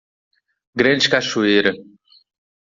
Grande cachoeira